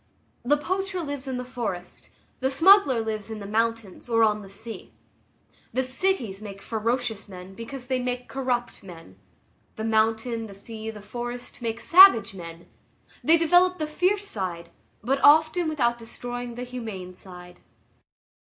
The poacher lives in the forest, the smuggler lives in the mountains or on the sea. The cities make ferocious men because they make corrupt men. The mountain, the sea, the forest, make savage men; they develop the fierce side, but often without destroying the humane side.